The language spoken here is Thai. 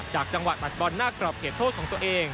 จังหวะตัดบอลหน้ากรอบเขตโทษของตัวเอง